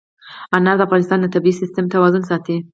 انار د افغانستان د طبعي سیسټم توازن ساتي.